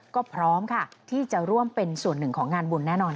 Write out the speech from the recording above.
ก็พร้อมค่ะที่จะร่วมเป็นส่วนหนึ่งของงานบุญแน่นอน